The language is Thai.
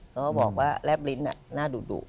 แล้วก็บอกว่าแรบลิ้นน่าดุ